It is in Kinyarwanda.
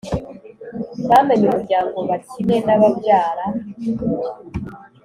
bamenye umuryango bakine n’ababyara